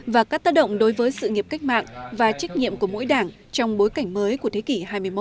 và các tác động đối với sự nghiệp cách mạng và trách nhiệm của mỗi đảng trong bối cảnh mới của thế kỷ hai mươi một